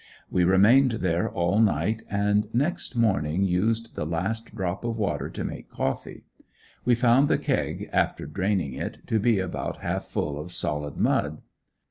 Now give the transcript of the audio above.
We remained there all night, and next morning used the last drop of water to make coffee. We found the keg, after draining it, to be about half full of solid mud.